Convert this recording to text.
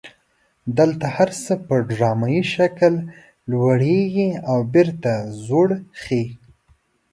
دلته هر څه په ډرامایي شکل لوړیږي او بیرته ځوړ خي.